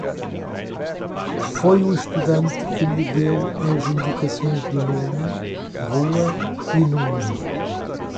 Foi o estudante que lhe deu as indicações do nome, rua e número.